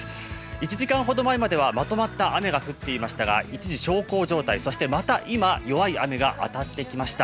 １時間ほど前まではまとまった雨が降っていましたが一時小康状態、そしてまた今、弱い雨が当たってきました。